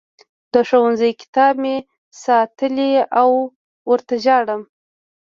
د ښوونځي کتابونه مې ساتلي او ورته ژاړم